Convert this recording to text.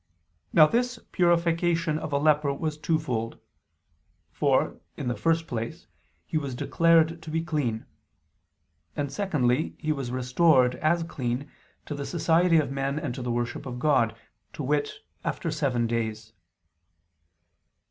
Now this purification of a leper was twofold: for, in the first place, he was declared to be clean; and, secondly, he was restored, as clean, to the society of men and to the worship of God, to wit, after seven days.